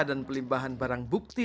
dan pelimbahan barang bukti